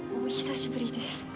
お久しぶりです。